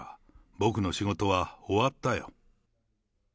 僕の仕事は終わったよ。